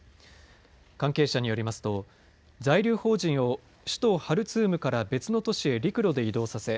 関係者によりますと在留邦人を首都ハルツームから別の都市へ陸路で移動させ